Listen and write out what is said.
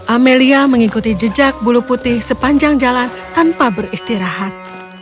amelia mengikuti jejak bulu putih sepanjang jalan tanpa beristirahat